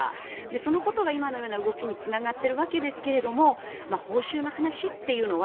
そのことが今のようなことにつながっているわけですけども報酬の話というのは